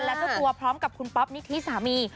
และเจ้าตัวพร้อมกับคุณป๊อปนิธิสามี